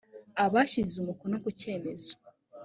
abashyize umukono ku cyemezo